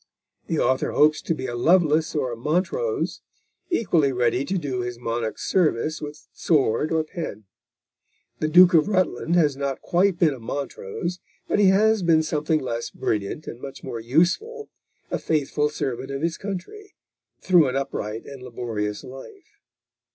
The author hopes to be a Lovelace or a Montrose, equally ready to do his monarch service with sword or pen. The Duke of Rutland has not quite been a Montrose, but he has been something less brilliant and much more useful, a faithful servant of his country, through an upright and laborious life.